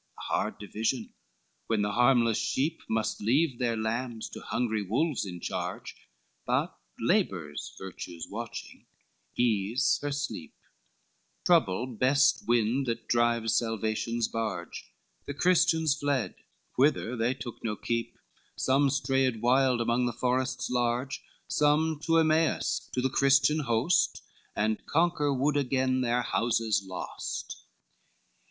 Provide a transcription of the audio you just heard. LV A hard division, when the harmless sheep Must leave their lambs to hungry wolves in charge, But labor's virtues watching, ease her sleep, Trouble best wind that drives salvation's barge, The Christians fled, whither they took no keep, Some strayed wild among the forests large, Some to Emmaus to the Christian host, And conquer would again their houses lost.